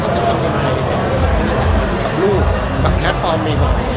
ก็เลยทำมาแบบรู้จักภาาแต่ว่า